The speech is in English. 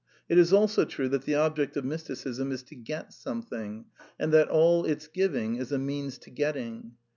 It is also true that the object of Mysticism is to get something, and that all ^N^^its giving is a means to getting.